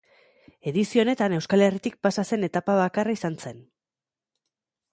Edizio honetan Euskal Herritik pasa zen etapa bakarra izan zen.